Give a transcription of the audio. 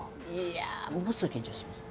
いやものすごく緊張します。